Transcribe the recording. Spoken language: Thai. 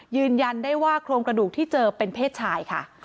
ยืนยันได้ว่าโครงกระดูกที่เจอเป็นเพศชายค่ะ